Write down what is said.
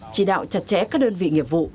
chỉ đạo chặt chẽ các đơn vị nghiệp vụ